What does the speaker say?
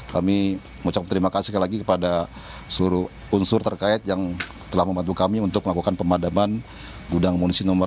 kami mengucapkan terima kasih sekali lagi kepada seluruh unsur terkait yang telah membantu kami untuk melakukan pemadaman gudang munisi nomor dua